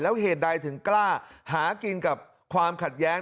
แล้วเหตุใดถึงกล้าหากินกับความขัดแย้ง